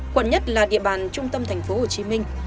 quận nhất là địa bàn trung tâm thành phố hồ chí minh